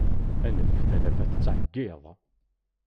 Anef tanafa tettɛeggiḍ.